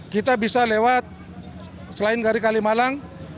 kita bisa lewat selain dari kalimalang